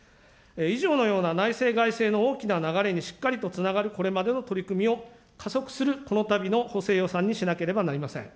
以上のような内政、外政の大きな流れにしっかりとつながるこれまでの取り組みを加速するこのたびの補正予算にしなければなりません。